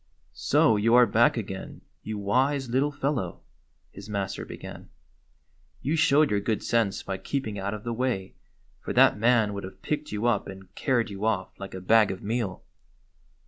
"So you are back again, you wise little fel low?" his master began. "You showed your good sense by keeping out of the way, for that man would have picked you up and carried you off like a bag of meal."